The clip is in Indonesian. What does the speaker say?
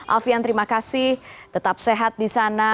alfian terima kasih tetap sehat di sana